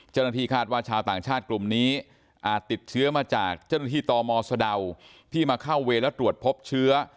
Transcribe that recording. เจ้าหน้าที่คาดว่าชาวต่างชาติกลุ่มนี้อาจติดเชื้อมาจากเจ้าหน้าที่ตมสะดาวที่มาเข้าเวรแล้วตรวจพบเชื้อ